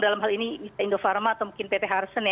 dalam hal ini indofarma atau mungkin pt harsen ya